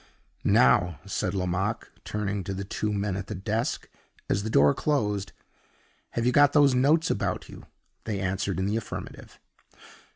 "Now," said Lomaque, turning to the two men at the desk, as the door closed, "have you got those notes about you?" (They answered in the affirmative.)